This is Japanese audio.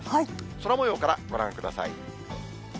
空もようからご覧ください。